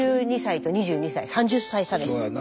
５２歳と２２歳３０歳差です。